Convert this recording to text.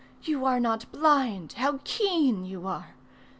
you are not blind! How keen you are!)